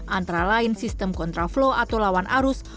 antara lain sistem kontraflow atau lawan arus